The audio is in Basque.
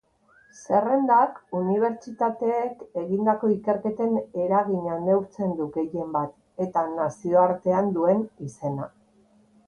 Zerrendak unibertsitateek egindako ikerketen eragina neurtzen du gehienbat, eta nazioartean duen izena.